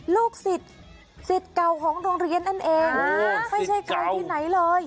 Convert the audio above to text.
ลูกศิษย์ศิษย์เก่าของโรงเรียนนั่นเองโอ้ศิษย์เก่าไม่ใช่เก่าที่ไหนเลย